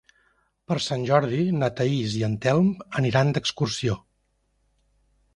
Per Sant Jordi na Thaís i en Telm aniran d'excursió.